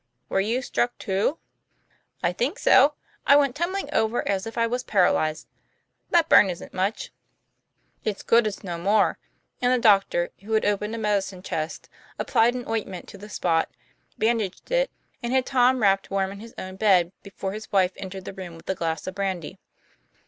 ' Were you struck, too? " 'I think so; I went tumbling over as if I was paralyzed. That burn isn't much. " "It's good it's no more." And the doctor, who had opened a medicine chest, applied an ointment to the spot, bandaged it, and had Tom wrapped warm in his own bed before his wife entered the room with the glass of brandy.